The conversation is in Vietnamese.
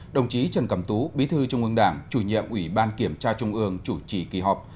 đồng chí trần cẩm tú bí thư trung ương đảng chủ nhiệm ủy ban kiểm tra trung ương chủ trì kỳ họp